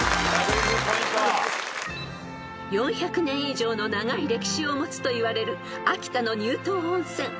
［４００年以上の長い歴史を持つといわれる秋田の乳頭温泉］